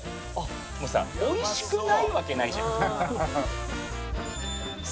もうさ美味しくないわけないじゃん。